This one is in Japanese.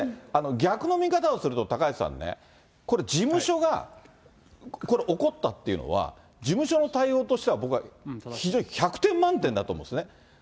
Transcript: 逆の見方をすると、高橋さんね、これ、事務所が怒ったっていうのは、事務所の対応としては、僕は非常に百点満点だと思うのね。